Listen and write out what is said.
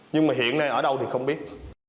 nhưng mà hiện nay ở đâu thì không biết